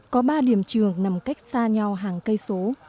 có ba điểm trường nằm cách xa nhau